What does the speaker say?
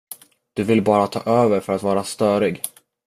Du vill bara ta över för att vara störig.